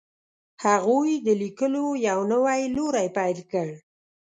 هغوی د لیکلو یو نوی لوری پیل کړ.